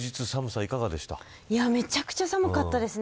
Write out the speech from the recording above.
めちゃくちゃ寒かったですね。